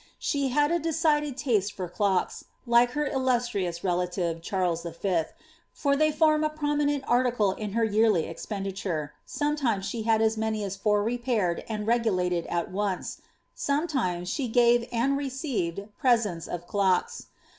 * She had a decided taste for clocks, like her illustrious relative, harles V.,' f'^r they form a prominent article in her yearly expenditure ; sometimes she had as many as four repaired and rei^ulated at once; sometimes she gave and received presents of clocks.